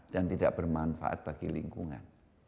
dan tidak bermanfaat bagi lingkungan